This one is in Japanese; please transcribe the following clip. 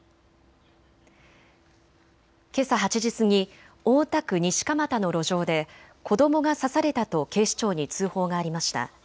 けさ８時過ぎ、大田区西蒲田の路上で子どもが刺されたと警視庁に通報がありました。